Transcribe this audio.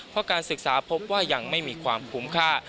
เพราะการศึกษาพบว่ายังไม่มีความคุ้มค่า